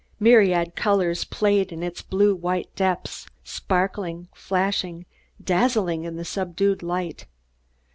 Myriad colors played in its blue white depths, sparkling, flashing, dazzling in the subdued light.